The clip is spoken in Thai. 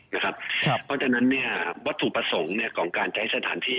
เพราะฉะนั้นวัตถุประสงค์ของการใช้สถานที่